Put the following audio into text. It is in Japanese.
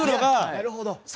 なるほど！